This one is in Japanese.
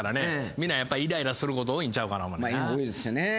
みんなやっぱイライラすること多いんちゃうかな思うてな。